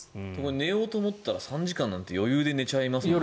寝ようと思ったら３時間なんて余裕で寝ちゃいますよね。